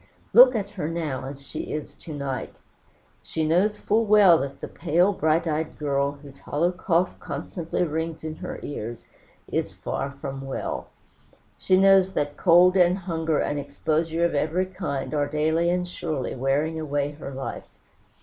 Look at her now, as she is to night. She knows full well that the pale, bright eyed girl, whose hollow cough constantly rings in her ears, is far from well. She knows that cold, and hunger, and exposure of every kind, are daily and surely wearing away her life.